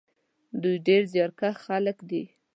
دوی ډېر زیارکښ خلک دي.